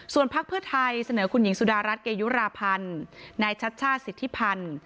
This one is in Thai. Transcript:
พักเพื่อไทยเสนอคุณหญิงสุดารัฐเกยุราพันธ์นายชัชชาติสิทธิพันธ์